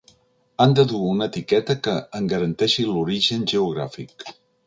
Han de dur una etiqueta que en garanteixi l'origen geogràfic.